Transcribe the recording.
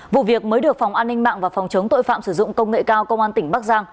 vụ việc mới được phòng an ninh mạng và phòng chống tội phạm sử dụng công nghệ cao công an tỉnh bắc giang